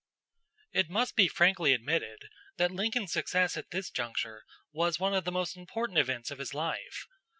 It must be frankly admitted that Lincoln's success at this juncture was one of the most important events of his life.